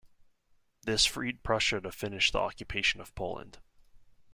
This freed Prussia to finish the occupation of Poland.